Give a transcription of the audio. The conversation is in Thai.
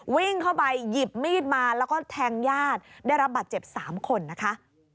วิ่งเข้าไปหยิบมีดมาแล้วก็แทงญาติได้รับบัตรเจ็บ๓คนนะคะ